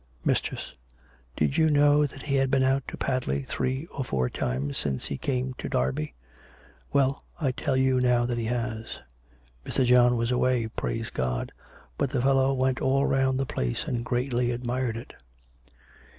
" Mistress, did you know that he had been out to Padley three or four times since he came to Derby.'' ... Well, I tell you now that he has. Mr. John was away, praise God; but the fellow went all round the place and greatly admired it."